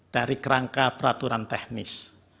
dari kerangka peraturan teknis